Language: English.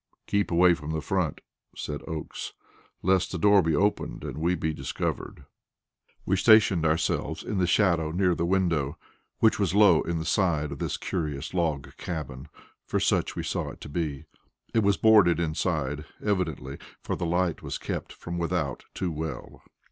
"Keep away from the front," said Oakes, "lest the door be opened and we be discovered." We stationed ourselves in the shadow near the window, which was low in the side of this curious log cabin for such we saw it to be. It was boarded inside evidently, for the light was kept from without too well.